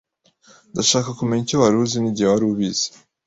Ndashaka kumenya icyo wari uzi n'igihe wari ubizi.